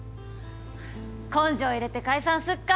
根性入れて解散すっか。